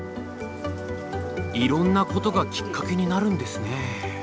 いろんなことがきっかけになるんですね。